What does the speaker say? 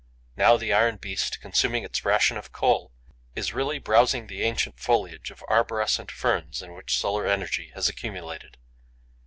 Now the iron beast, consuming its ration of coal, is really browsing the ancient foliage of arborescent ferns in which solar energy has accumulated.